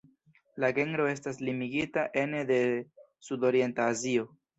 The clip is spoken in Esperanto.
La genro estas limigita ene de Sudorienta Azio.